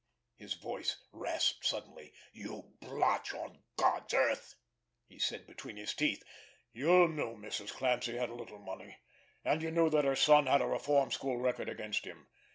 His voice rasped suddenly. "You blotch on God's earth!" he said between his teeth. "You knew Mrs. Clancy had a little money, and you knew that her son had a reform school record against him.